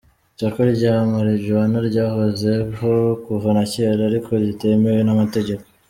Isoko rya Marijuana ryahoze ho kuva na cyera ariko ritemewe n’amategeko.